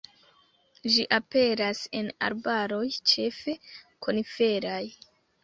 Ĝi aperas en arbaroj ĉefe koniferaj.